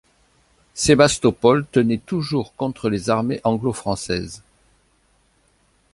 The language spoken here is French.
Sébastopol tenait toujours contre les armées anglo-françaises.